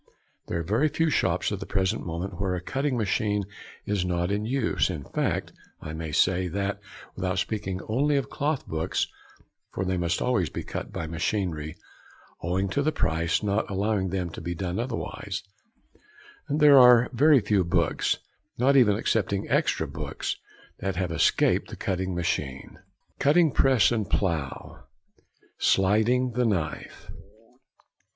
There are very few shops at the present moment where a cutting |60| machine is not in use, in fact I may say that, without speaking only of cloth books, for they must always be cut by machinery owing to the price not allowing them to be done otherwise, there are very few books, not even excepting extra books, that have escaped the cutting machine. [Illustration: Cutting Press and Plough.] [Illustration: Sliding Knife.